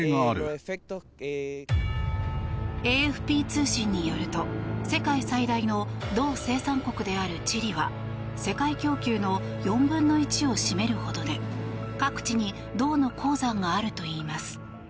ＡＦＰ通信によると世界最大の銅生産国であるチリは世界供給の４分の１を占めるほどで各地に銅の鉱山があるといいます。